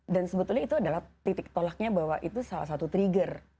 dan sebetulnya itu adalah titik tolaknya bahwa itu salah satu trigger